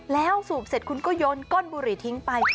แล้วสูบเสร็จคุณก็โยนก้นบุหรี่ทิ้งไป